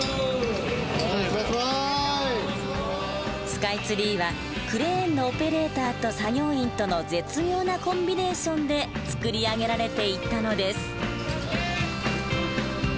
スカイツリーはクレーンのオペレーターと作業員との絶妙なコンビネーションで造り上げられていったのです。